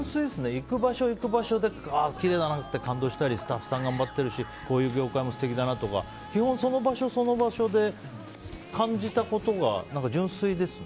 行く場所、行く場所できれいだなって感動したりスタッフさん頑張ってるしこういう業界も素敵だなとか基本その場所その場所で感じたことが純粋ですね。